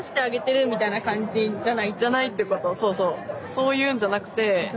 そういうんじゃなくて。